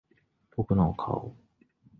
僕の顔の横に君は顔を寄せる